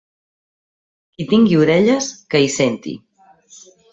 Qui tingui orelles que hi senti.